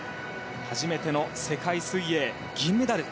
初めての世界水泳で銀メダル。